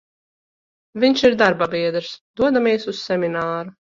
Vinš ir darbabiedrs, dodamies uz semināru.